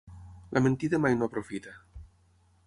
La mentida mai no aprofita.